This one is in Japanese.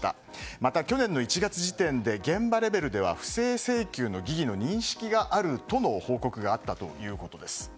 また、去年１月時点で現場レベルでは不正請求の疑義の認識があると報告があったということです。